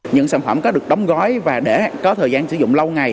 những sản phẩm có được đóng gói và để có thời gian sử dụng lâu ngày